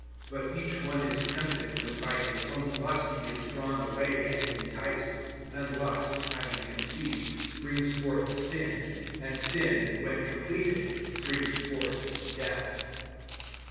(14)But each one is tempted, when by his own lust he is drawn away and enticed. (15)Then lust, having conceived, brings forth sin; and sin, when completed, brings forth death.